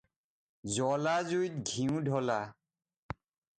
জ্ৱলা জুইত ঘিউ ঢলা ।